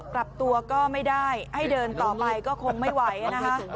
กลับตัวก็ไม่ได้ให้เดินต่อไปก็คงไม่ไหวนะคะ